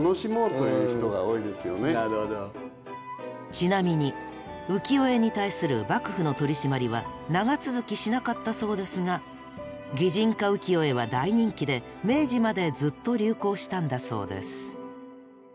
ちなみに浮世絵に対する幕府の取り締まりは長続きしなかったそうですが擬人化浮世絵は大人気で明治までずっと流行したんだそうです。